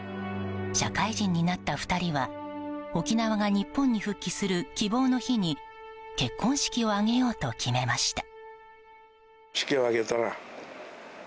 社会人になった２人は沖縄が日本に復帰する希望の日に結婚式を挙げようと決めました。